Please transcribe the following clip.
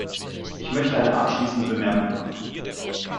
Ich möchte eine abschließende Bemerkung machen.